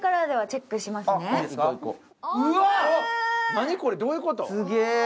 何これどういうこと？